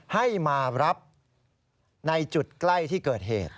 ให้มารับในจุดใกล้ที่เกิดเหตุ